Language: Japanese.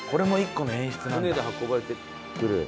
船で運ばれてくる。